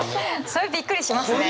それびっくりしますね。